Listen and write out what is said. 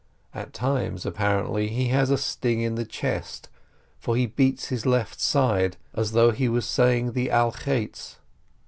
At times, apparently, he has a sting in the chest, for he beats his left side as though he were saying the Al Chets.